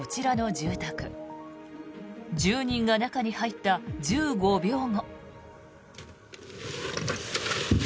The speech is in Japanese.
住人が中に入った１５秒後。